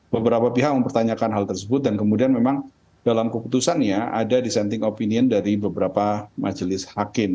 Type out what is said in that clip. beberapa pihak mempertanyakan hal tersebut dan kemudian memang dalam keputusannya ada dissenting opinion dari beberapa majelis hakim